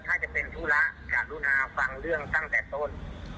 ถ้าจะเป็นธุระการุณาฟังเรื่องตั้งแต่ต้น